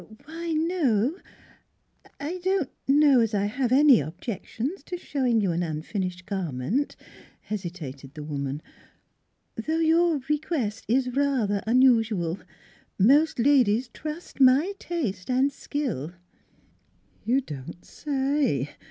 " Why no, I don't know as I have any objec tions to showing you an unfinished garment," hesi tated the woman, " though your request is rather unusual; most ladies trust my taste and skill." "You don't say!"